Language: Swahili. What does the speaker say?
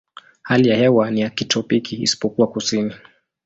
Hali ya hewa ni ya kitropiki isipokuwa kusini.